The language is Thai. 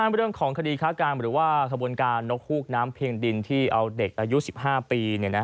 เรื่องของคดีค้ากรรมหรือว่าขบวนการนกฮูกน้ำเพียงดินที่เอาเด็กอายุ๑๕ปี